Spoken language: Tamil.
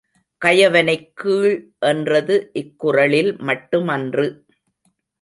கயவனைக் கீழ் என்றது இக்குறளில் மட்டுமன்று.